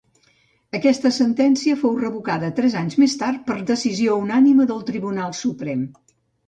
Aquesta sentència fou revocada tres anys més tard, per decisió unànime del Tribunal Suprem.